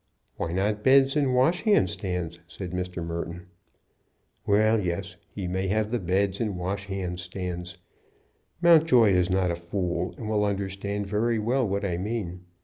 "Why not beds and washhand stands?" said Mr. Merton. "Well, yes; he may have the beds and washhand stands. Mountjoy is not a fool, and will understand very well what I mean.